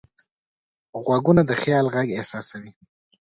غوږونه د خیال غږ احساسوي